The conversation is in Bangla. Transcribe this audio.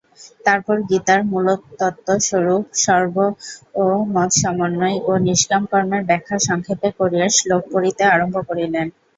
তারপর গীতার মূলতত্ত্বস্বরূপ সর্বমতসমন্বয় ও নিষ্কাম কর্মের ব্যাখ্যা সংক্ষেপে করিয়া শ্লোক পড়িতে আরম্ভ করিলেন।